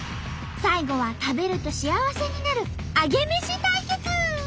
最後は食べると幸せになるアゲメシ対決！